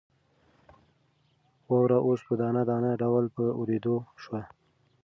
واوره اوس په دانه دانه ډول په اورېدو شوه.